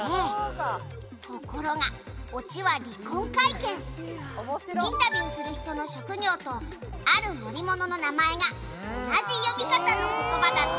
「ところがオチは離婚会見」「インタビューする人の職業とある乗り物の名前が同じ読み方の言葉だったんですね」